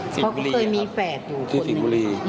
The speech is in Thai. พ่อก็เคยมีแฝดอยู่คนหนึ่ง